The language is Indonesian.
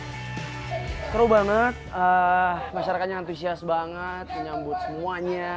seru banget masyarakatnya antusias banget menyambut semuanya